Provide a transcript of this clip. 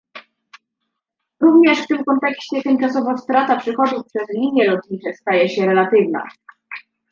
Również w tym kontekście tymczasowa strata przychodów przez linie lotnicze staje się relatywna